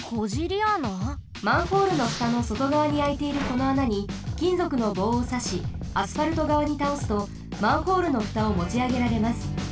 マンホールのふたのそとがわにあいているこの穴にきんぞくのぼうをさしアスファルトがわにたおすとマンホールのふたをもちあげられます。